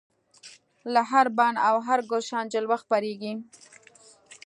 له هر بڼ او هر ګلشن جلوه خپریږي